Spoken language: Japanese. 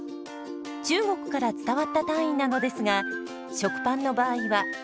中国から伝わった単位なのですが食パンの場合はちょっと緩やかです。